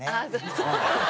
そう。